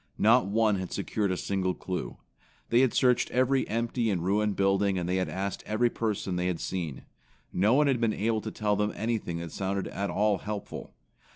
Not one had secured a single clue. They had searched every empty and ruined building and had asked every person that they had seen. No one had been able to tell them anything that sounded at all helpful.